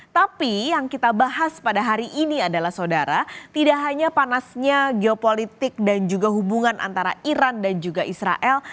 tapi yang kita bahas pada hari ini adalah saudara tidak hanya panasnya geopolitik dan juga hubungan antara iran dan juga israel